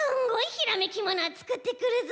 ひらめきムナーつくってくるぞ！